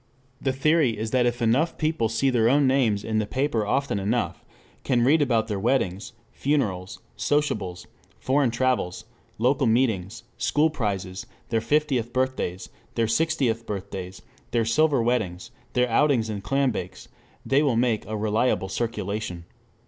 The theory is that if enough people see their own names in the paper often enough, can read about their weddings, funerals, sociables, foreign travels, lodge meetings, school prizes, their fiftieth birthdays, their sixtieth birthdays, their silver weddings, their outings and clambakes, they will make a reliable circulation.